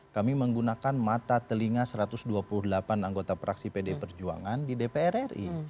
kami menggunakan mata telinga satu ratus dua puluh delapan anggota praksi pd perjuangan di dpr ri